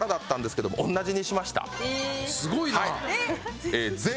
すごいな。